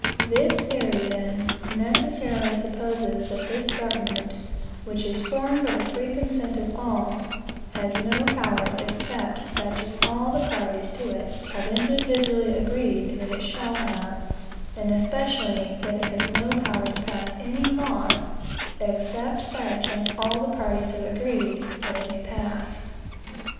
This theory, then, necessarily supposes that this government, which is formed by the free consent of all, has no powers except such as all the parties to it have individually agreed that it shall have: and especially that it has no power to pass any laws, except such as all the parties have agreed that it may pass.